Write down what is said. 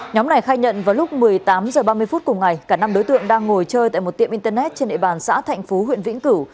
nhóm này khai nhận vào lúc một mươi tám h ba mươi phút cùng ngày cả năm đối tượng đang ngồi chơi tại một tiệm internet trên địa bàn xã thạnh phú huyện vĩnh cửu